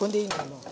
もう。